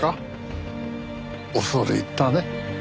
恐れ入ったね。